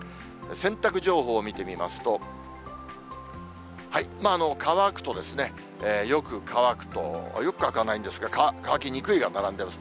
洗濯情報を見てみますと、乾くとですね、よく乾くと、よく乾かない、乾きにくいが並んでます。